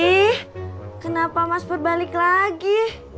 eh kenapa mas pur balik lagi